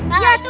ya itu betul